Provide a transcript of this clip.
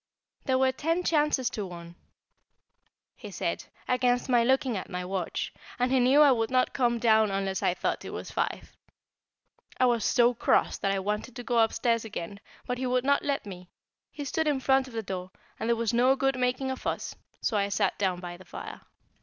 There were ten chances to one, he said, against my looking at my watch, and he knew I would not come down unless I thought it was five. I was so cross that I wanted to go upstairs again, but he would not let me; he stood in front of the door, and there was no good making a fuss, so I sat down by the fire.